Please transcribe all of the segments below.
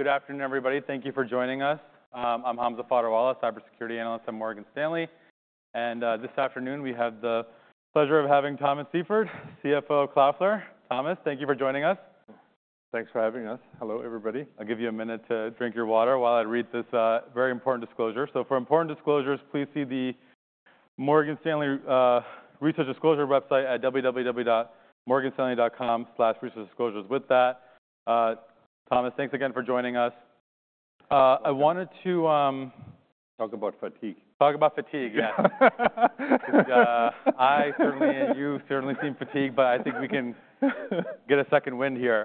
Good afternoon, everybody. Thank you for joining us. I'm Hamza Fodderwala, cybersecurity analyst at Morgan Stanley. This afternoon, we have the pleasure of having Thomas Seifert, CFO of Cloudflare. Thomas, thank you for joining us. Thanks for having us. Hello, everybody. I'll give you a minute to drink your water while I read this, very important disclosure. So for important disclosures, please see the Morgan Stanley research disclosure website at www.morganstanley.com/researchdisclosures. With that, Thomas, thanks again for joining us. I wanted to, Talk about fatigue. Talk about fatigue, yeah. I certainly, and you certainly seem fatigued, but I think we can get a second wind here.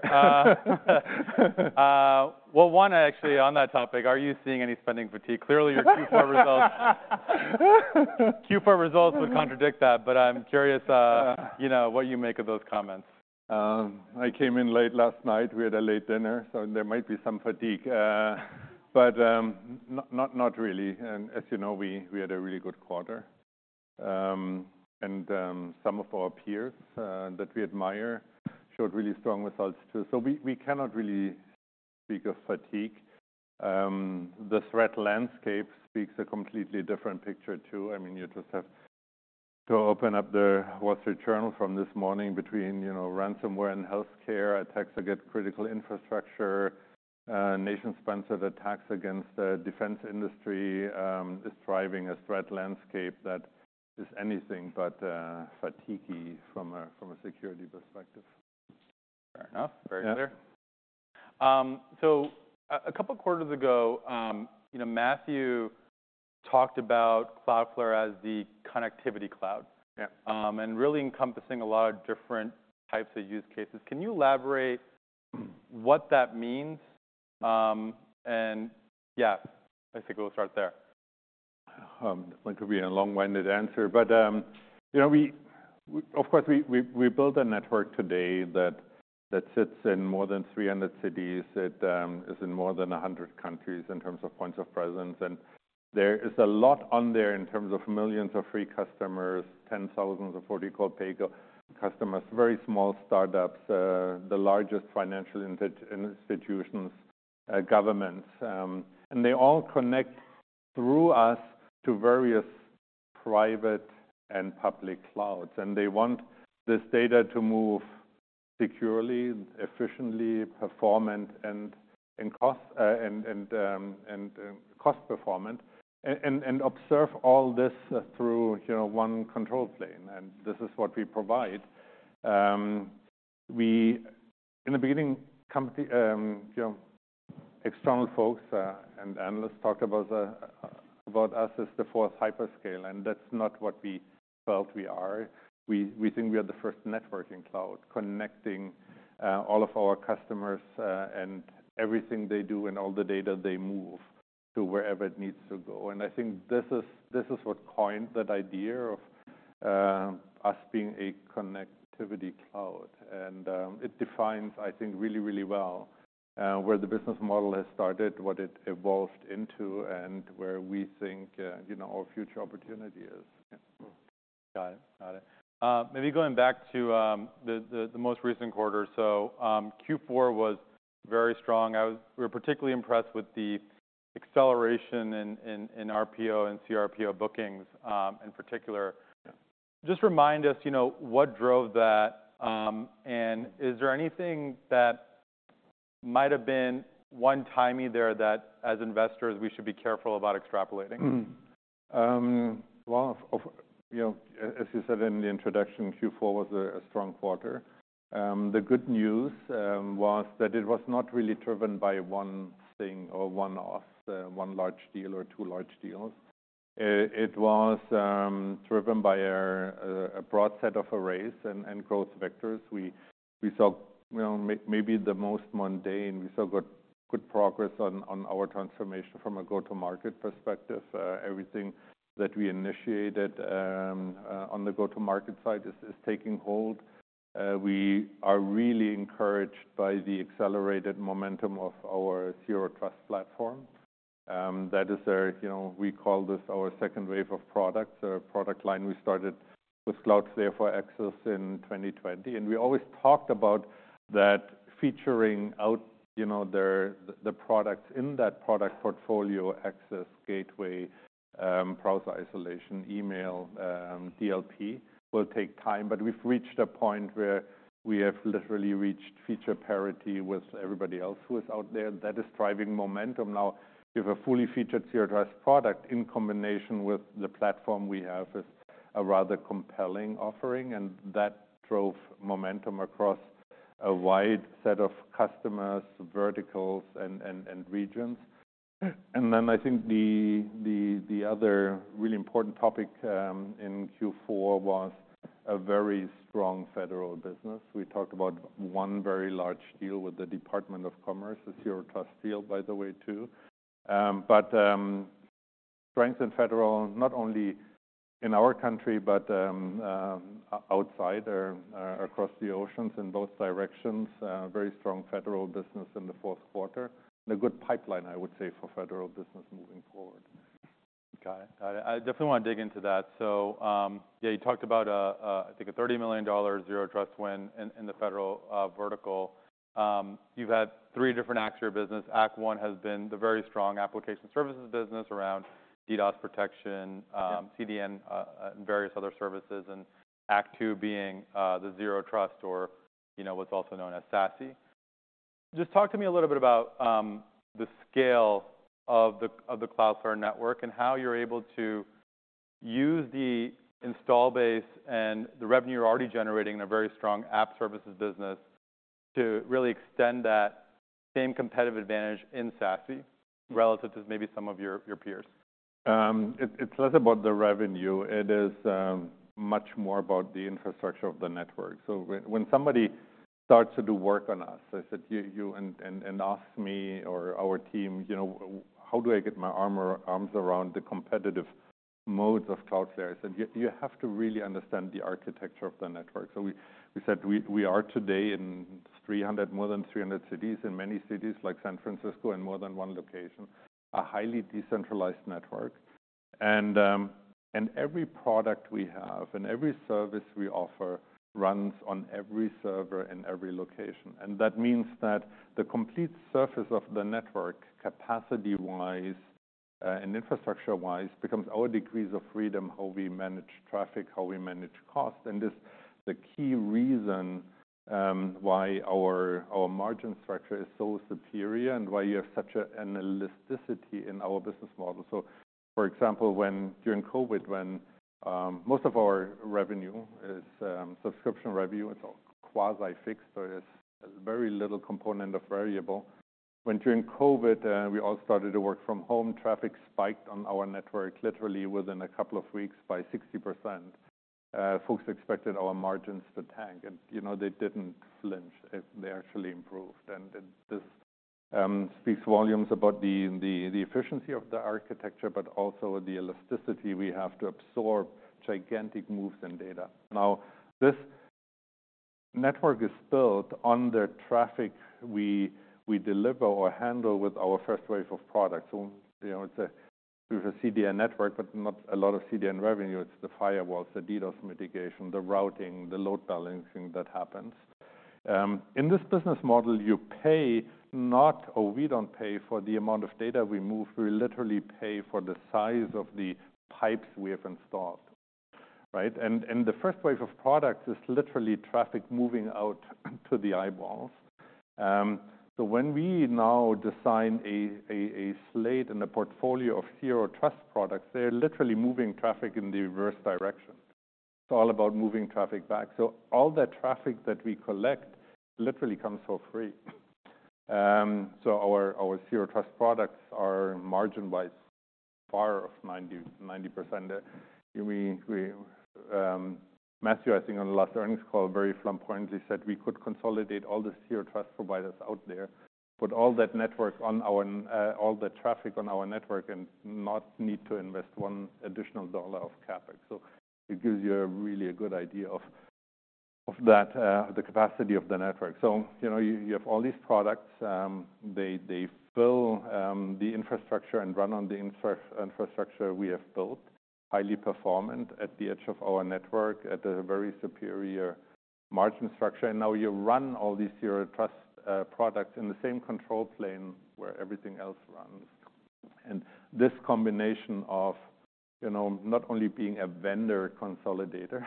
Well, one, actually, on that topic, are you seeing any spending fatigue? Clearly, your Q4 results, Q4 results would contradict that, but I'm curious, you know, what you make of those comments. I came in late last night. We had a late dinner, so there might be some fatigue, but not really. And as you know, we had a really good quarter. And some of our peers that we admire showed really strong results, too. So we cannot really speak of fatigue. The threat landscape speaks a completely different picture, too. I mean, you just have to open up the Wall Street Journal from this morning between, you know, ransomware and healthcare, attacks against critical infrastructure, nation-sponsored attacks against the defense industry, is driving a threat landscape that is anything but fatigue-y from a security perspective. Fair enough. Very clear. Yeah. So a couple quarters ago, you know, Matthew talked about Cloudflare as the Connectivity Cloud- Yeah... and really encompassing a lot of different types of use cases. Can you elaborate what that means? And yeah, I think we'll start there. This one could be a long-winded answer, but, you know, we, of course, built a network today that sits in more than 300 cities. It is in more than 100 countries in terms of points of presence, and there is a lot on there in terms of millions of free customers, 10,000 of what we call paid customers, very small startups, the largest financial institutions, governments. And they all connect through us to various private and public clouds, and they want this data to move securely, efficiently, performant, and cost performant, and observe all this through, you know, one control plane. And this is what we provide. In the beginning, company, you know, external folks, and analysts talked about us as the fourth hyperscale, and that's not what we felt we are. We think we are the first networking cloud, connecting all of our customers, and everything they do, and all the data they move to wherever it needs to go. And I think this is what coined that idea of us being a connectivity cloud. And it defines, I think, really, really well, where the business model has started, what it evolved into, and where we think, you know, our future opportunity is. Got it. Got it. Maybe going back to the most recent quarter, so Q4 was very strong. We were particularly impressed with the acceleration in RPO and CRPO bookings, in particular. Yeah. Just remind us, you know, what drove that, and is there anything that might have been one-timey there that, as investors, we should be careful about extrapolating? Mm-hmm. Well, of, you know, as you said in the introduction, Q4 was a strong quarter. The good news was that it was not really driven by one thing or one off, one large deal or two large deals. It was driven by a broad set of areas and growth vectors. We saw, you know, maybe the most mundane. We saw good progress on our transformation from a go-to-market perspective. Everything that we initiated on the go-to-market side is taking hold. We are really encouraged by the accelerated momentum of our Zero Trust platform. That is our... You know, we call this our second wave of products, or product line. We started with Cloudflare Access in 2020, and we always talked about that fleshing out, you know, the products in that product portfolio, Access, Gateway, Browser Isolation, Email, DLP, will take time. But we've reached a point where we have literally reached feature parity with everybody else who is out there. That is driving momentum. Now, we have a fully featured Zero Trust product in combination with the platform we have, is a rather compelling offering, and that drove momentum across a wide set of customers, verticals, and regions. Then I think the other really important topic in Q4 was a very strong federal business. We talked about one very large deal with the Department of Commerce, a Zero Trust deal, by the way, too. But strength in federal, not only in our country, but outside or across the oceans in both directions. Very strong federal business in the fourth quarter, and a good pipeline, I would say, for federal business moving forward. ot it. Got it. I definitely want to dig into that. So, yeah, you talked about, I think, a $30 million Zero Trust win in the federal vertical. You've had three different acts of your business. Act One has been the very strong application services business around DDoS protection, CDN, and various other services, and Act Two being the Zero Trust or, you know, what's also known as SASE. Just talk to me a little bit about the scale of the Cloudflare network and how you're able to use the install base and the revenue you're already generating in a very strong app services business to really extend that same competitive advantage in SASE relative to maybe some of your peers. It's less about the revenue. It is much more about the infrastructure of the network. So when somebody starts to do work on us, I said, and ask me or our team, "You know, how do I get my arms around the competitive moats of Cloudflare?" I said, "You have to really understand the architecture of the network." So we said we are today in 300, more than 300 cities, in many cities, like San Francisco, in more than one location, a highly decentralized network. And every product we have and every service we offer runs on every server in every location. And that means that the complete surface of the network, capacity-wise, and infrastructure-wise, becomes our degrees of freedom, how we manage traffic, how we manage cost. This is the key reason why our margin structure is so superior and why you have such an elasticity in our business model. For example, when during COVID, when most of our revenue is subscription revenue, it's all quasi-fixed, there is very little component of variable. When during COVID, we all started to work from home, traffic spiked on our network, literally within a couple of weeks, by 60%. Folks expected our margins to tank, and, you know, they didn't flinch. They actually improved. This speaks volumes about the efficiency of the architecture, but also the elasticity we have to absorb gigantic moves in data. Now, this network is built on the traffic we deliver or handle with our first wave of products. So, you know, it's a CDN network, but not a lot of CDN revenue. It's the firewalls, the DDoS mitigation, the routing, the load balancing that happens. In this business model, you pay not or we don't pay for the amount of data we move. We literally pay for the size of the pipes we have installed, right? And the first wave of products is literally traffic moving out to the eyeballs. So when we now design a slate and a portfolio of Zero Trust products, they're literally moving traffic in the reverse direction. It's all about moving traffic back. So all that traffic that we collect literally comes for free. So our Zero Trust products are margin-wise, far of 90, 90%. We... Matthew, I think on the last earnings call, very blunt point, he said we could consolidate all the zero trust providers out there, put all that network traffic on our network and not need to invest $1 of CapEx. So it gives you a really good idea of that the capacity of the network. So you know, you have all these products, they fill the infrastructure and run on the infrastructure we have built, highly performant at the edge of our network, at a very superior margin structure. And now you run all these zero trust products in the same control plane where everything else runs. This combination of, you know, not only being a vendor consolidator,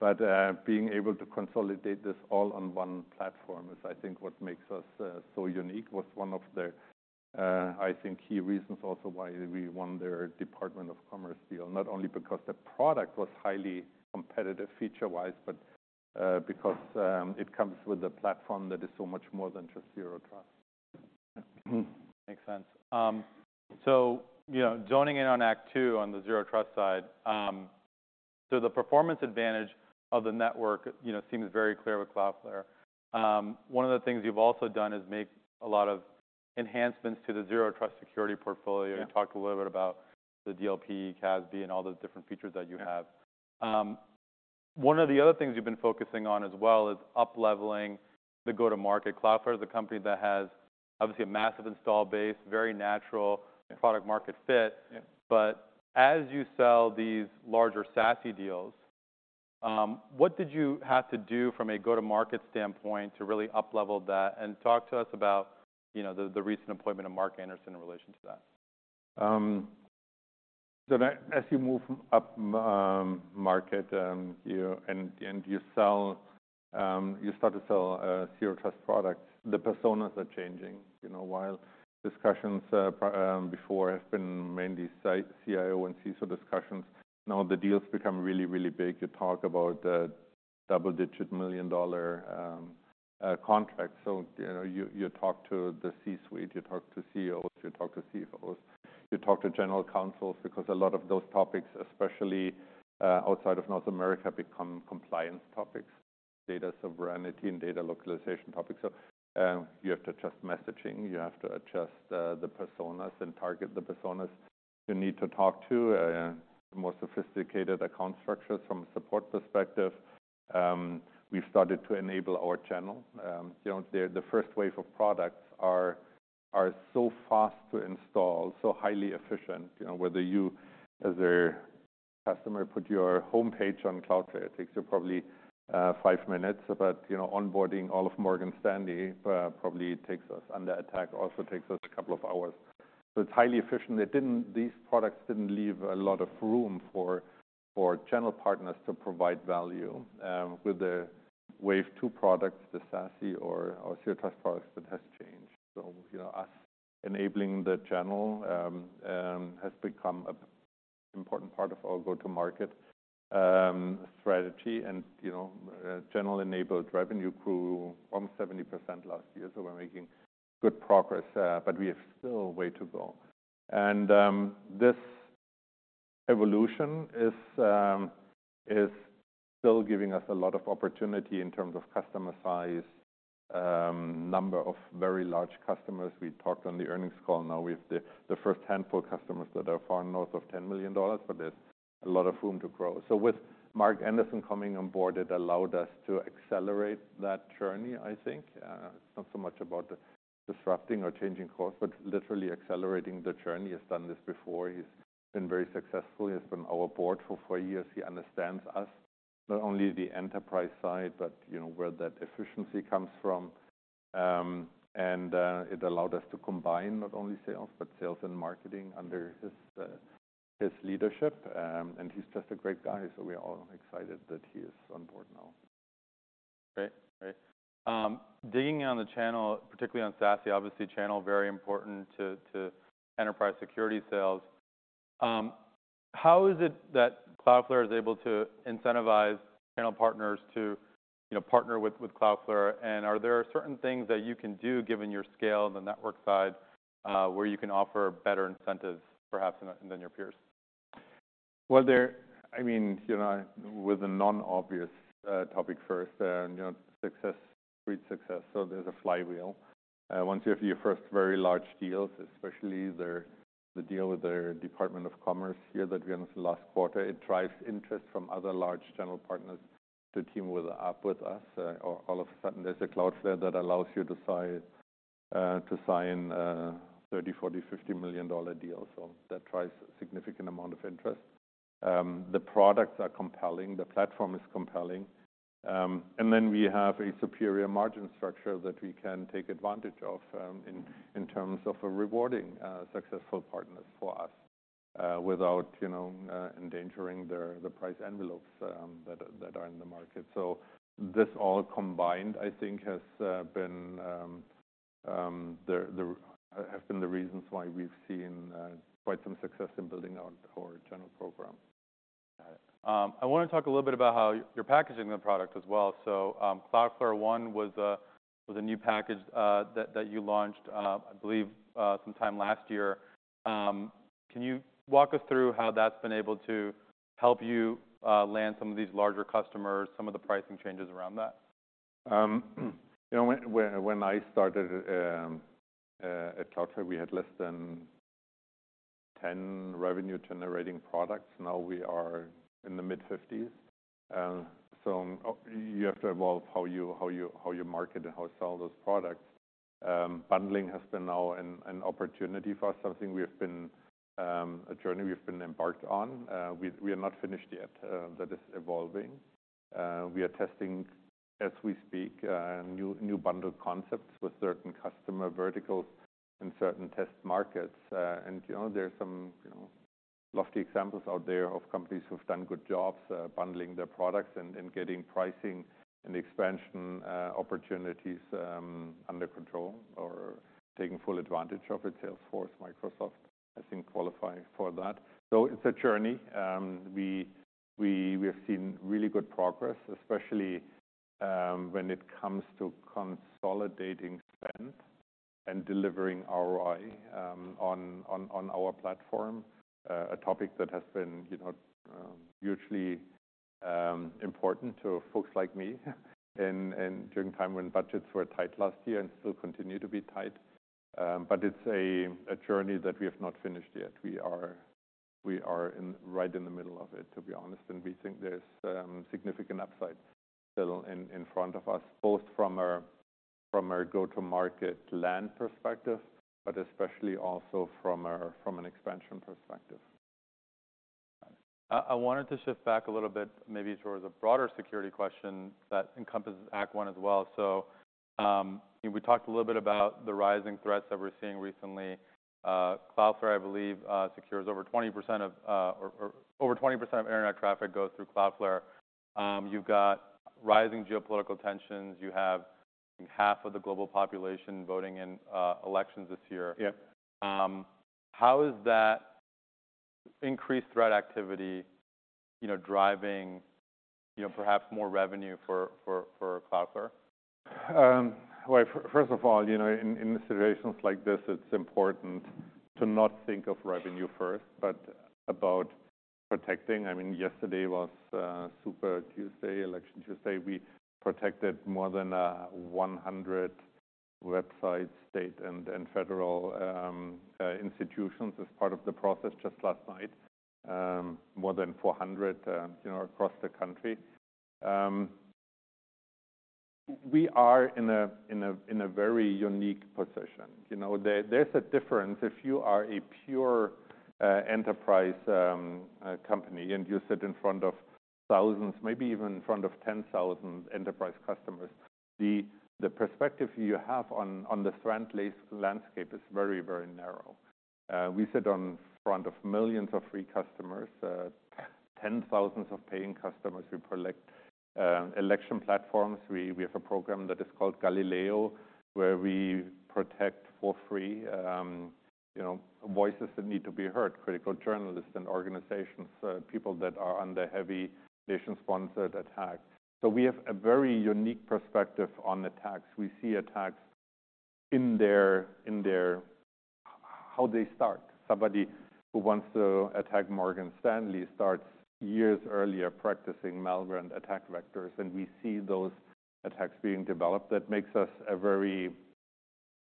but, being able to consolidate this all on one platform is, I think, what makes us, so unique. Was one of the, I think, key reasons also why we won the Department of Commerce deal. Not only because the product was highly competitive feature-wise, but, because, it comes with a platform that is so much more than just Zero Trust. Makes sense. So, you know, joining in on Act Two, on the Zero Trust side, so the performance advantage of the network, you know, seems very clear with Cloudflare. One of the things you've also done is make a lot of enhancements to the Zero Trust security portfolio. Yeah. You talked a little bit about the DLP, CASB, and all the different features that you have. Yeah. One of the other things you've been focusing on as well is upleveling the go-to-market. Cloudflare is a company that has obviously a massive install base, very natural product-market fit. Yeah. But as you sell these larger SASE deals, what did you have to do from a go-to-market standpoint to really uplevel that? And talk to us about, you know, the recent appointment of Mark Anderson in relation to that. So as you move up market, you start to sell Zero Trust products, the personas are changing. You know, while discussions before have been mainly CIO and CISO discussions, now the deals become really, really big. You talk about the double-digit million-dollar contracts. So, you know, you talk to the C-suite, you talk to CEOs, you talk to CFOs, you talk to general counsels, because a lot of those topics, especially outside of North America, become compliance topics, data sovereignty and data localization topics. So you have to adjust messaging, you have to adjust the personas and target the personas. You need to talk to more sophisticated account structures from a support perspective. We've started to enable our channel. You know, the first wave of products are so fast to install, so highly efficient. You know, whether you, as a customer, put your homepage on Cloudflare, it takes you probably five minutes. But you know, onboarding all of Morgan Stanley probably takes us, under attack, also takes us a couple of hours. So it's highly efficient. It didn't. These products didn't leave a lot of room for channel partners to provide value. With the Wave Two products, the SASE or our Zero Trust products, that has changed. So, you know, us enabling the channel has become an important part of our go-to-market strategy. And you know, channel-enabled revenue grew from 70% last year, so we're making good progress, but we have still a way to go. This evolution is still giving us a lot of opportunity in terms of customer size, number of very large customers. We talked on the earnings call. Now, we have the first handful of customers that are far north of $10 million, but there's a lot of room to grow. So with Mark Anderson coming on board, it allowed us to accelerate that journey, I think. It's not so much about the disruption or changing course, but literally accelerating the journey. He's done this before. He's been very successful. He's been on our board for four years. He understands us, not only the enterprise side, but, you know, where that efficiency comes from. And it allowed us to combine not only sales, but sales and marketing under his leadership. He's just a great guy, so we are all excited that he is on board now. Great. Great. Digging on the channel, particularly on SASE, obviously, channel very important to, to enterprise security sales. How is it that Cloudflare is able to incentivize channel partners to, you know, partner with, with Cloudflare? And are there certain things that you can do, given your scale, the network side, where you can offer better incentives, perhaps, than your peers? Well, there—I mean, you know, with a non-obvious topic first, you know, success breeds success, so there's a flywheel. Once you have your first very large deals, especially the deal with the Department of Commerce here that we announced last quarter, it drives interest from other large channel partners to team up with us. All of a sudden, there's a Cloudflare that allows you to sign $30 million, $40 million, $50 million deals. So that drives a significant amount of interest. The products are compelling, the platform is compelling, and then we have a superior margin structure that we can take advantage of, in terms of rewarding successful partners for us, without, you know, endangering the price envelopes that are in the market. So this all combined, I think, has been the reasons why we've seen quite some success in building out our channel program. Got it. I want to talk a little bit about how you're packaging the product as well. So, Cloudflare One was a new package that you launched, I believe, sometime last year. Can you walk us through how that's been able to help you land some of these larger customers, some of the pricing changes around that? You know, when I started at Cloudflare, we had less than 10 revenue-generating products. Now, we are in the mid-50s. So you have to evolve how you market and how you sell those products. Bundling has been now an opportunity for us, a journey we've been embarked on. We are not finished yet. That is evolving. We are testing, as we speak, new bundle concepts with certain customer verticals in certain test markets. And, you know, there are some, you know, lofty examples out there of companies who've done good jobs bundling their products and getting pricing and expansion opportunities under control or taking full advantage of it. Salesforce, Microsoft, I think, qualify for that. So it's a journey. We have seen really good progress, especially when it comes to consolidating spend and delivering ROI on our platform. A topic that has been, you know, usually important to folks like me and during time when budgets were tight last year and still continue to be tight. But it's a journey that we have not finished yet. We are right in the middle of it, to be honest, and we think there's significant upside still in front of us, both from our go-to-market land perspective, but especially also from an expansion perspective. I wanted to shift back a little bit, maybe towards a broader security question that encompasses Act One as well. So, we talked a little bit about the rising threats that we're seeing recently. Cloudflare, I believe, secures over 20% of... or over 20% of internet traffic goes through Cloudflare. You've got rising geopolitical tensions. You have half of the global population voting in elections this year. Yeah. How is that increased threat activity, you know, driving, you know, perhaps more revenue for Cloudflare? Well, first of all, you know, in situations like this, it's important to not think of revenue first, but about protecting. I mean, yesterday was Super Tuesday, Election Tuesday. We protected more than 100 websites, state and federal institutions as part of the process just last night, more than 400, you know, across the country. We are in a very unique position. You know, there's a difference if you are a pure enterprise company, and you sit in front of thousands, maybe even in front of 10,000 enterprise customers. The perspective you have on the threat landscape is very, very narrow. We sit in front of millions of free customers, 10,000 paying customers. We protect election platforms. We have a program that is called Galileo, where we protect for free, you know, voices that need to be heard, critical journalists and organizations, people that are under heavy nation-sponsored attack. So we have a very unique perspective on attacks. We see attacks in their how they start. Somebody who wants to attack Morgan Stanley starts years earlier, practicing malware and attack vectors, and we see those attacks being developed. That makes us a very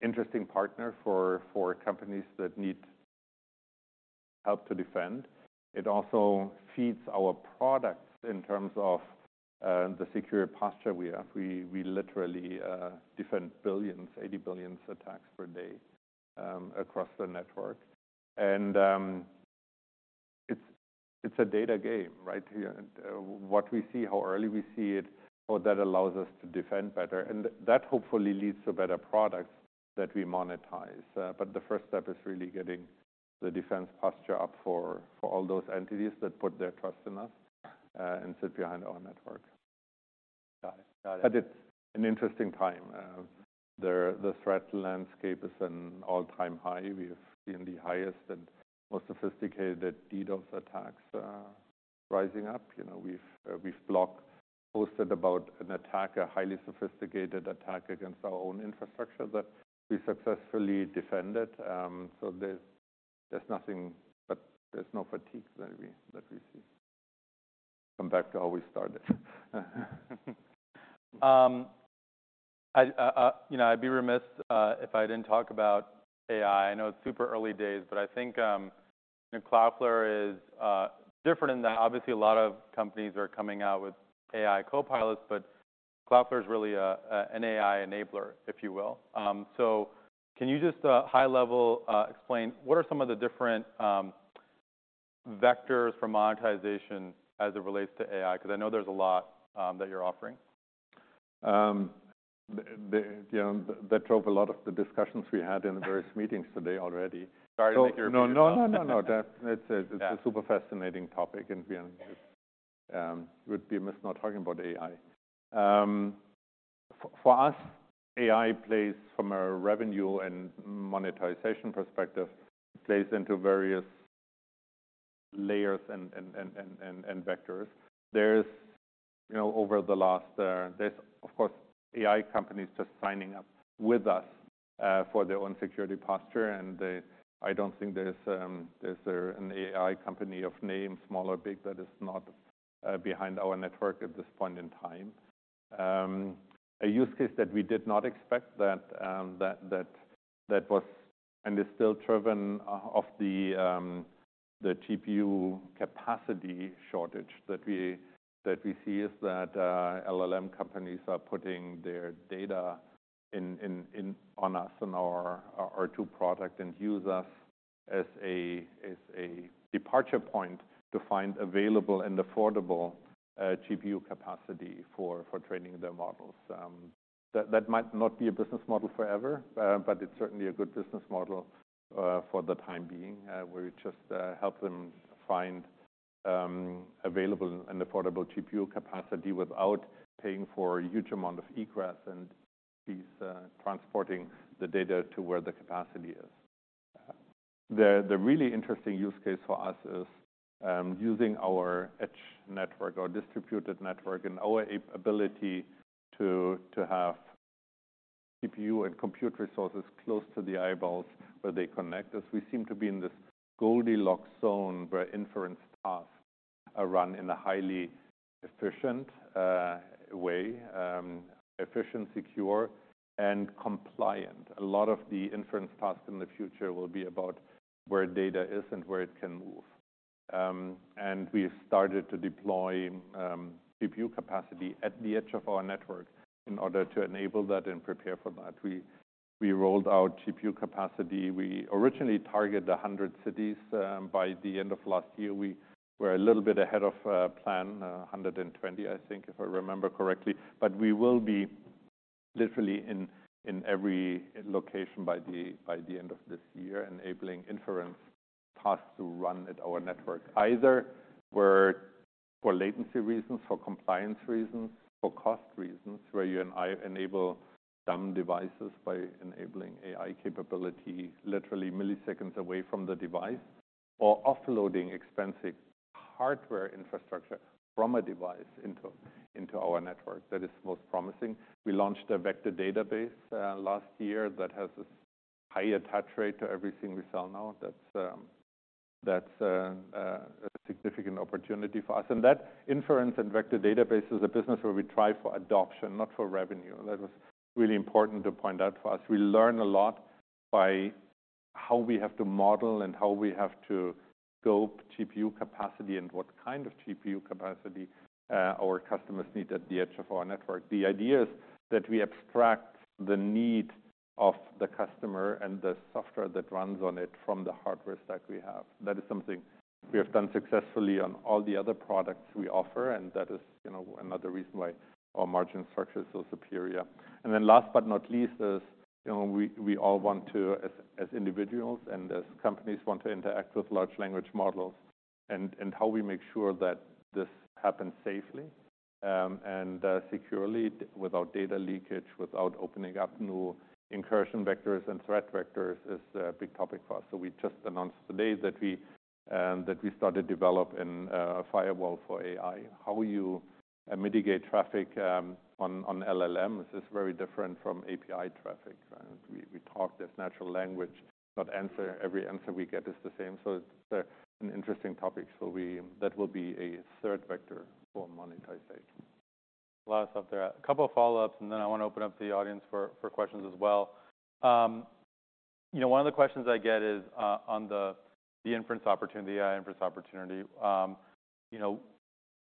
interesting partner for companies that need help to defend. It also feeds our products in terms of the secure posture we have. We literally defend 80 billion attacks per day across the network. And it's a data game, right? What we see, how early we see it, so that allows us to defend better, and that hopefully leads to better products that we monetize. But the first step is really getting the defense posture up for all those entities that put their trust in us, and sit behind our network. Got it. Got it. But it's an interesting time. The threat landscape is at an all-time high. We've seen the highest and most sophisticated DDoS attacks rising up. You know, we've blocked, posted about an attack, a highly sophisticated attack against our own infrastructure that we successfully defended. So there's nothing, but there's no fatigue that we see. Come back to how we started. You know, I'd be remiss if I didn't talk about AI. I know it's super early days, but I think Cloudflare is different in that obviously a lot of companies are coming out with AI copilots, but Cloudflare is really a, a, an AI enabler, if you will. So can you just high level explain what are some of the different vectors for monetization as it relates to AI? Because I know there's a lot that you're offering. You know, that drove a lot of the discussions we had in the various meetings today already. Sorry to make you repeat yourself. No, no, no, no. That- Yeah. It's a super fascinating topic, and we would be remiss not talking about AI. For us, AI plays from a revenue and monetization perspective, plays into various layers and vectors. There's, you know, over the last... there's, of course, AI companies just signing up with us for their own security posture, and they- I don't think there's, there's an AI company of name, small or big, that is not behind our network at this point in time. A use case that we did not expect that was and is still driven by the GPU capacity shortage that we see is that LLM companies are putting their data in on us in our R2 product and use us as a departure point to find available and affordable GPU capacity for training their models. That might not be a business model forever, but it's certainly a good business model for the time being. We just help them find available and affordable GPU capacity without paying for a huge amount of egress fees transporting the data to where the capacity is. The really interesting use case for us is, using our edge network or distributed network and our ability to have GPU and compute resources close to the eyeballs where they connect, as we seem to be in this Goldilocks zone, where inference tasks are run in a highly efficient way, efficient, secure, and compliant. A lot of the inference tasks in the future will be about where data is and where it can move. We started to deploy GPU capacity at the edge of our network in order to enable that and prepare for that. We rolled out GPU capacity. We originally targeted 100 cities. By the end of last year, we were a little bit ahead of plan, 120, I think, if I remember correctly. But we will be literally in every location by the end of this year, enabling inference tasks to run at our network, either where for latency reasons, for compliance reasons, for cost reasons, where you enable some devices by enabling AI capability, literally milliseconds away from the device, or offloading expensive hardware infrastructure from a device into our network. That is most promising. We launched a vector database last year that has a higher touch rate to everything we sell now. That's a significant opportunity for us. And that inference and vector database is a business where we try for adoption, not for revenue. That is really important to point out for us. We learn a lot by how we have to model and how we have to scope GPU capacity, and what kind of GPU capacity, our customers need at the edge of our network. The idea is that we abstract the need of the customer and the software that runs on it from the hardware stack we have. That is something we have done successfully on all the other products we offer, and that is, you know, another reason why our margin structure is so superior. And then last but not least, is, you know, we, we all want to, as, as individuals and as companies, want to interact with large language models, and, and how we make sure that this happens safely, and securely, without data leakage, without opening up new incursion vectors and threat vectors is a big topic for us. So we just announced today that we started developing a Firewall for AI. How you mitigate traffic on LLMs is very different from API traffic, right? We talk this natural language, but every answer we get is the same. So it's an interesting topic. That will be a third vector for monetization. A lot of stuff there. A couple of follow-ups, and then I want to open up the audience for questions as well. You know, one of the questions I get is on the inference opportunity, AI inference opportunity. You know,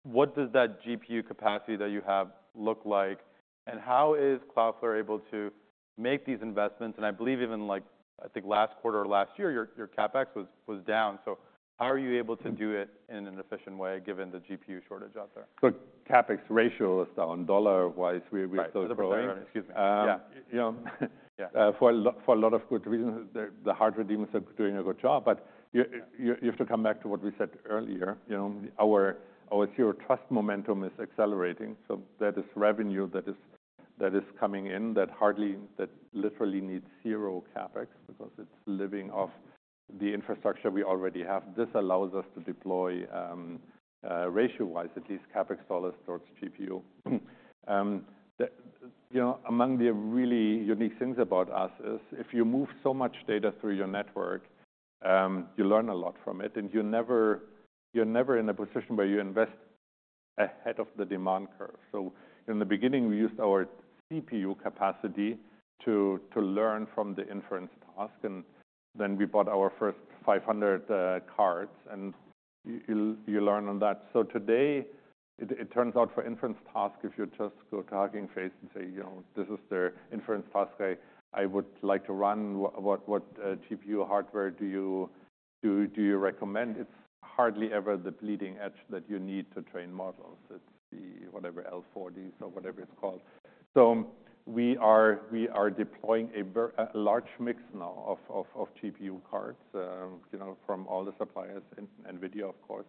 what does that GPU capacity that you have look like, and how is Cloudflare able to make these investments? And I believe even, like, I think last quarter or last year, your CapEx was down. So how are you able to do it in an efficient way, given the GPU shortage out there? But CapEx ratio is down. Dollar-wise, we're still growing. Right. Excuse me. Yeah. You know- Yeah... For a lot, for a lot of good reasons, the hardware vendors are doing a good job. But you, you have to come back to what we said earlier. You know, our, our Zero Trust momentum is accelerating, so that is revenue that is, that is coming in, that hardly, that literally needs zero CapEx because it's living off the infrastructure we already have. This allows us to deploy, ratio-wise, at least, CapEx dollars towards GPU. You know, among the really unique things about us is, if you move so much data through your network, you learn a lot from it, and you're never, you're never in a position where you invest ahead of the demand curve. So in the beginning, we used our CPU capacity to learn from the inference task, and then we bought our first 500 cards, and you learn on that. So today, it turns out for inference task, if you just go to Hugging Face and say: "You know, this is their inference task. I would like to run. What GPU hardware do you recommend?" It's hardly ever the bleeding edge that you need to train models. It's the whatever, L40S or whatever it's called. So we are deploying a very large mix now of GPU cards, you know, from all the suppliers. NVIDIA, of course,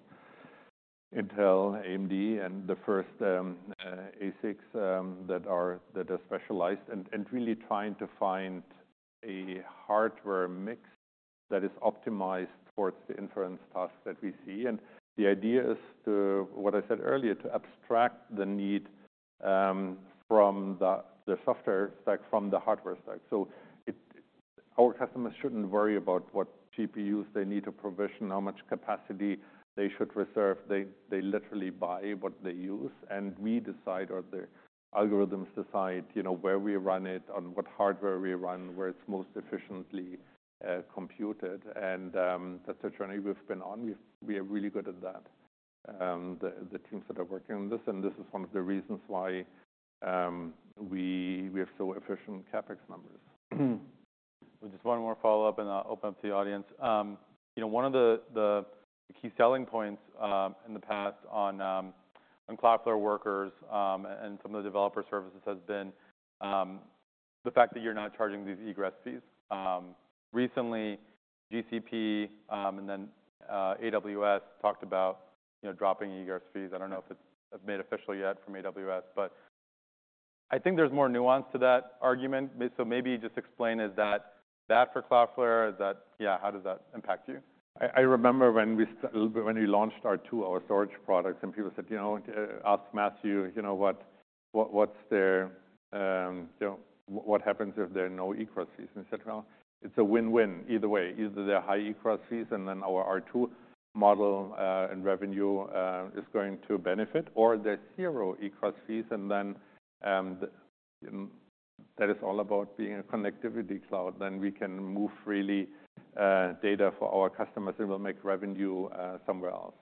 Intel, AMD, and the first ASICs that are specialized, and really trying to find a hardware mix that is optimized towards the inference tasks that we see. And the idea is to, what I said earlier, to abstract the need from the software stack, from the hardware stack. So, our customers shouldn't worry about what GPUs they need to provision, how much capacity they should reserve. They literally buy what they use, and we decide, or the algorithms decide, you know, where we run it, on what hardware we run, where it's most efficiently computed. And, that's a journey we've been on. We are really good at that. The teams that are working on this, and this is one of the reasons why we have so efficient CapEx numbers. Just one more follow-up, and I'll open up to the audience. You know, one of the, the key selling points, in the past on, on Cloudflare Workers, and some of the developer services has been, the fact that you're not charging these egress fees. Recently, GCP, and then, AWS talked about, you know, dropping egress fees. I don't know if it's made official yet from AWS, but I think there's more nuance to that argument. So maybe just explain, is that, that for Cloudflare? Is that... Yeah, how does that impact you? I remember when we launched our two storage products, and people said, you know, asked Matthew, you know, what, what's their, you know, what happens if there are no egress fees, et cetera? It's a win-win either way. Either they're high egress fees, and then our R2 model and revenue is going to benefit, or there's zero egress fees, and then that is all about being a connectivity cloud. Then we can move freely data for our customers, and we'll make revenue somewhere else.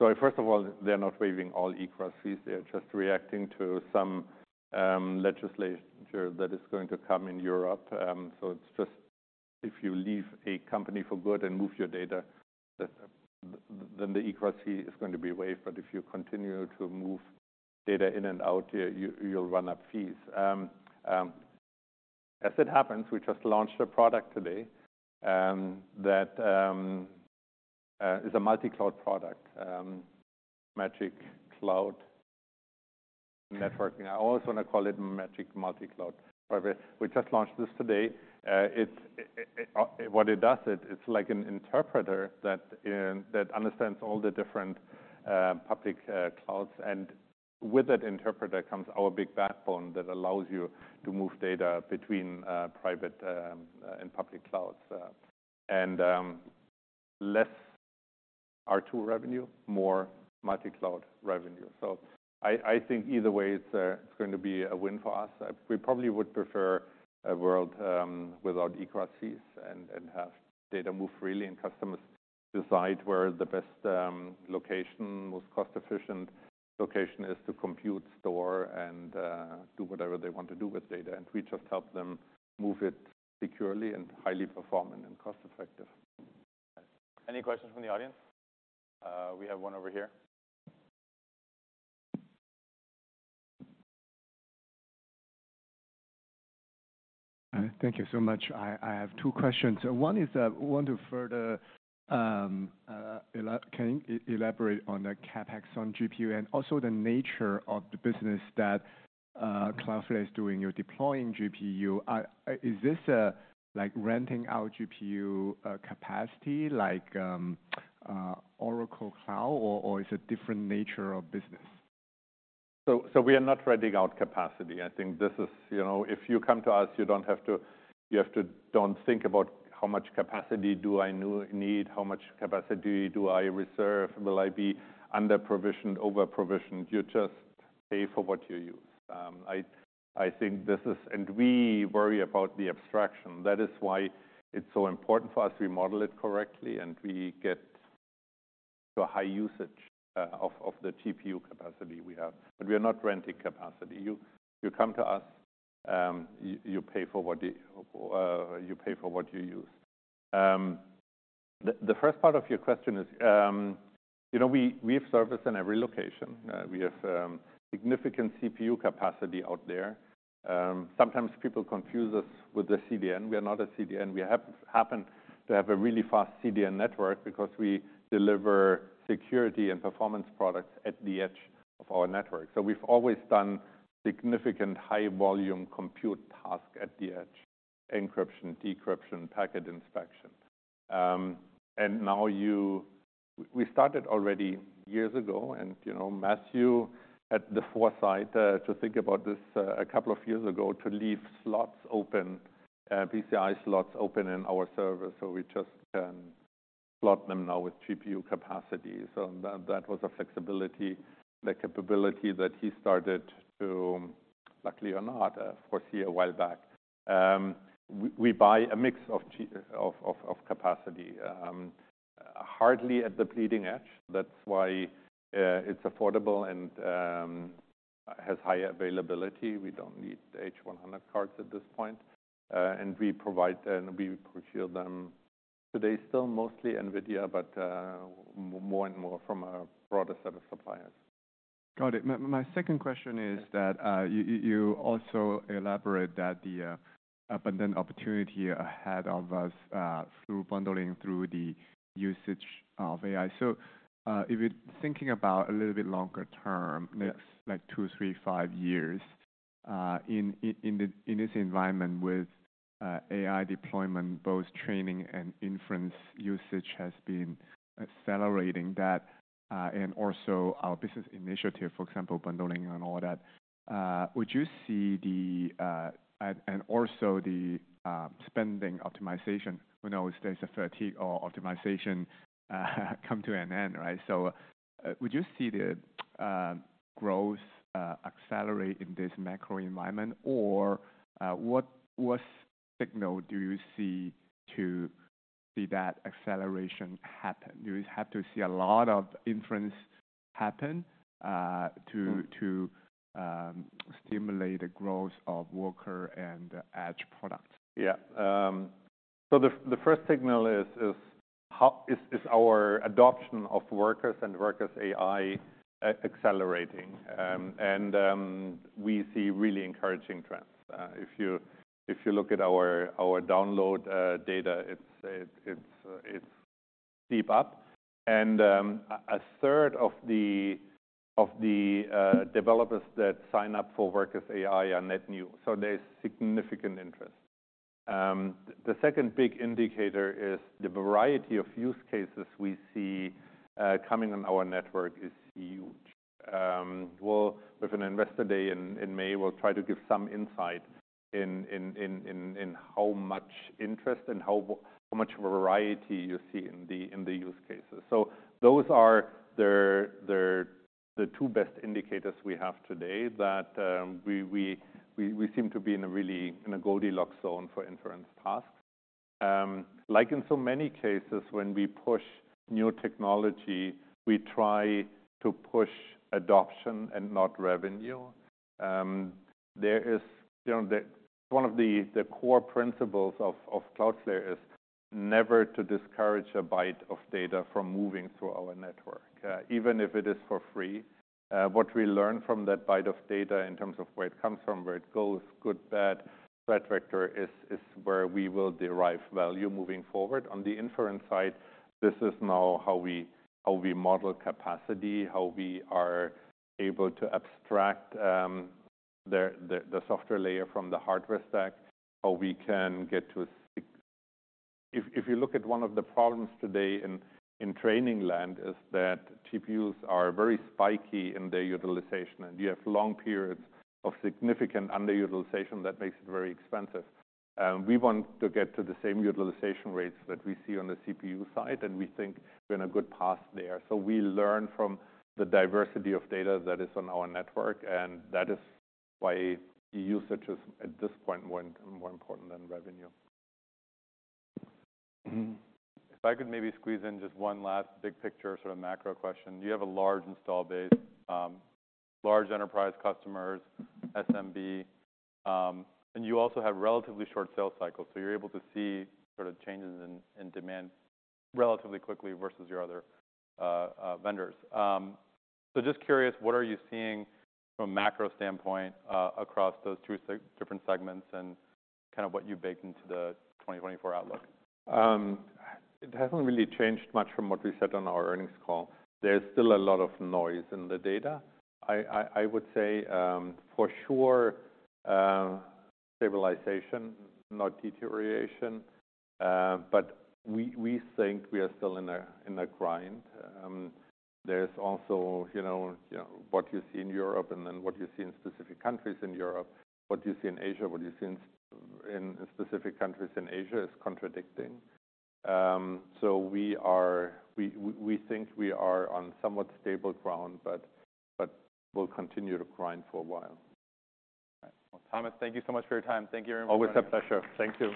So first of all, they're not waiving all egress fees. They're just reacting to some legislature that is going to come in Europe. So it's just if you leave a company for good and move your data, then the egress fee is going to be waived. But if you continue to move data in and out, you, you'll run up fees. As it happens, we just launched a product today, that is a multi-cloud product, Magic Cloud Networking. I always want to call it Magic Multi-Cloud, whatever. We just launched this today. It... What it does is, it's like an interpreter that that understands all the different public clouds and-... With that interpreter comes our big backbone that allows you to move data between private and public clouds. And, less R2 revenue, more multi-cloud revenue. So I think either way, it's going to be a win for us. We probably would prefer a world without egress fees and have data move freely, and customers decide where the best location, most cost-efficient location is to compute, store, and do whatever they want to do with data. And we just help them move it securely and highly performing and cost-effective. Any questions from the audience? We have one over here. Thank you so much. I have two questions. One is, can you elaborate on the CapEx on GPU and also the nature of the business that Cloudflare is doing? You're deploying GPU. Is this like renting out GPU capacity, like Oracle Cloud, or is a different nature of business? So we are not renting out capacity. I think this is, you know, if you come to us, you don't have to think about how much capacity do I need, how much capacity do I reserve? Will I be under-provisioned, over-provisioned? You just pay for what you use. I think this is. And we worry about the abstraction. That is why it's so important for us we model it correctly, and we get to a high usage of the GPU capacity we have. But we are not renting capacity. You come to us, you pay for what you use. The first part of your question is, you know, we have servers in every location. We have significant CPU capacity out there. Sometimes people confuse us with a CDN. We are not a CDN. We happen to have a really fast CDN network because we deliver security and performance products at the edge of our network. So we've always done significant high volume compute task at the edge: encryption, decryption, packet inspection. And now we started already years ago, and you know, Matthew had the foresight to think about this a couple of years ago, to leave slots open, PCI slots open in our server, so we just can slot them now with GPU capacity. So that, that was a flexibility, the capability that he started to, luckily or not, foresee a while back. We buy a mix of capacity hardly at the bleeding edge. That's why it's affordable and has high availability. We don't need H100 cards at this point. And we provide, and we procure them. Today, still mostly NVIDIA, but more and more from a broader set of suppliers. Got it. My second question is that you also elaborate that the abundant opportunity ahead of us through bundling, through the usage of AI. So, if you're thinking about a little bit longer term- Yes… next, like two, three, five years, in this environment with AI deployment, both training and inference usage has been accelerating that, and also our business initiative, for example, bundling and all that. Would you see the… and also the spending optimization? We know there's a fatigue or optimization come to an end, right? So, would you see the growth accelerate in this macro environment, or what signal do you see to see that acceleration happen? Do you have to see a lot of inference happen to stimulate the growth of Workers and edge products? Yeah. So the first signal is how our adoption of Workers and Workers AI is accelerating. And we see really encouraging trends. If you look at our download data, it's steep up. And a third of the developers that sign up for Workers AI are net new, so there's significant interest. The second big indicator is the variety of use cases we see coming on our network is huge. With an Investor Day in May, we'll try to give some insight into how much interest and how much variety you see in the use cases. So those are the two best indicators we have today that we seem to be in a really, in a Goldilocks zone for inference tasks. Like in so many cases, when we push new technology, we try to push adoption and not revenue. You know, one of the core principles of Cloudflare is never to discourage a byte of data from moving through our network, even if it is for free. What we learn from that byte of data in terms of where it comes from, where it goes, good, bad, threat vector, is where we will derive value moving forward. On the inference side, this is now how we model capacity, how we are able to abstract the software layer from the hardware stack, how we can get to 6... If you look at one of the problems today in training land, is that GPUs are very spiky in their utilization, and you have long periods of significant underutilization that makes it very expensive. We want to get to the same utilization rates that we see on the CPU side, and we think we're in a good path there. So we learn from the diversity of data that is on our network, and that is why usage is, at this point, more important than revenue. If I could maybe squeeze in just one last big picture, sort of macro question. You have a large install base, large enterprise customers, SMB, and you also have relatively short sales cycles, so you're able to see sort of changes in demand relatively quickly versus your other vendors. So just curious, what are you seeing from a macro standpoint, across those two different segments and kind of what you baked into the 2024 outlook? It hasn't really changed much from what we said on our earnings call. There's still a lot of noise in the data. I would say, for sure, stabilization, not deterioration, but we think we are still in a grind. There's also, you know, you know, what you see in Europe and then what you see in specific countries in Europe, what you see in Asia, what you see in specific countries in Asia is contradicting. So we think we are on somewhat stable ground, but we'll continue to grind for a while. All right. Well, Thomas, thank you so much for your time. Thank you very much. Always a pleasure. Thank you.